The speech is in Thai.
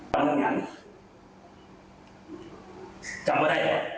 ตามอย่างงั้นจำว่าได้